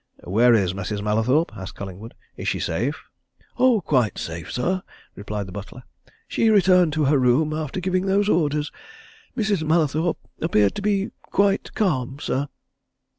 "Where is Mrs. Mallathorpe?" asked Collingwood. "Is she safe?" "Oh, quite safe, sir!" replied the butler. "She returned to her room after giving those orders. Mrs. Mallathorpe appeared to be quite calm, sir."